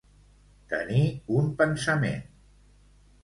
Tenir un pensament.